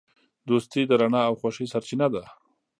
دوستي د رڼا او خوښۍ سرچینه ده.